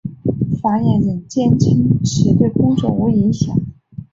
发言人坚称此对工作无影响。